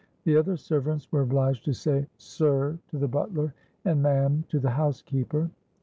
The other servants were obliged to say 'Sir' to the butler, and 'Ma'am' to the housekeeper.